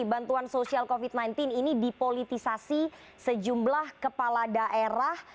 bantuan sosial covid sembilan belas ini dipolitisasi sejumlah kepala daerah